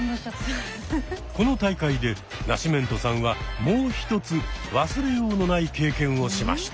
この大会でナシメントさんはもう一つ忘れようのない経験をしました。